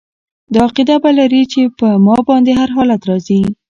دا عقیده به لري چې په ما باندي هر حالت را ځي